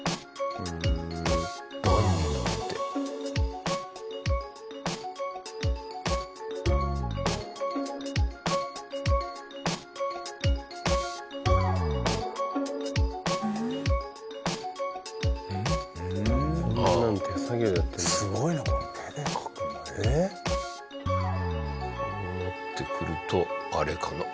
こうなってくるとあれかな。